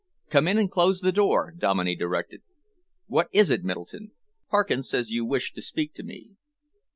"Come in and close the door," Dominey directed. "What is it, Middleton? Parkins says you wish to speak to me."